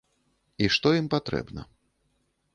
І што ім патрэбна.